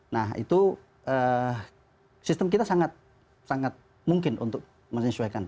nah itu sistem kita sangat mungkin untuk menyesuaikan